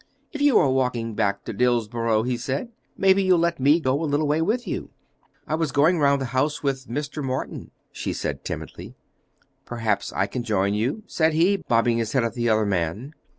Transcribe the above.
"If you are walking back to Dillsborough," he said, "maybe you'll let me go a little way with you?" "I was going round the house with Mr. Morton," she said timidly. "Perhaps I can join you?" said he, bobbing his head at the other man.